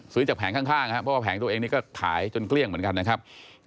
ซื้อจากแผงข้างครับเพราะว่าแผงตัวเองนี่ก็ขายจนเกลี้ยงเหมือนกันนะครับ